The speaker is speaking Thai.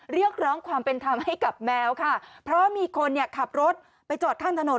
เรียกร้องความเป็นธรรมให้กับแมวค่ะเพราะมีคนเนี่ยขับรถไปจอดข้างถนน